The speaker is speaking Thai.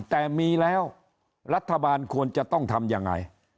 แต่มีแล้วรัฐบาลควรจะต้องทำยังไง